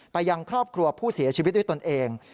ยังครอบครัวผู้เสียชีวิตด้วยตนเอง